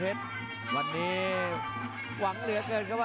โหมดยกที่หนึ่งครับ